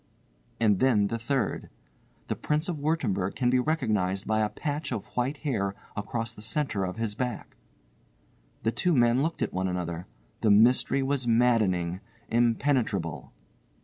And then the third. "The Prince of Wurttemberg can be recognised by a patch of white hair across the centre of his back." The two men looked at one another. The mystery was maddening, impenetrable.